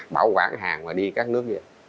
bảo quản hàng mà đi các nước gì